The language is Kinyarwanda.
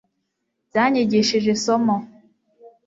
Byanyigishije isomo